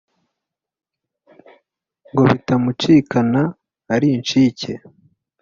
ngo bitamucikana ari incike